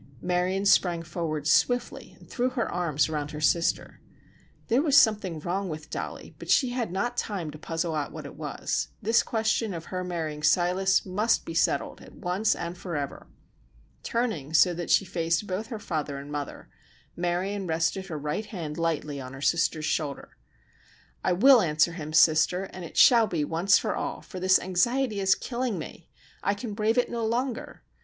Marion sprang forward swiftly and threw her arms around her sister. There was something wrong with Dollie, but she had not time to puzzle out what it was—this question of her marrying Silas must be settled at once and forever. Turning so that she faced both her father and mother, Marion rested her right hand lightly on her sister's shoulder. "I will answer him, sister, and it shall be once for all, for this anxiety is killing me. I can brave it no longer.